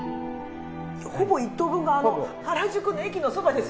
ほぼ１頭分が原宿の駅のそばですよね？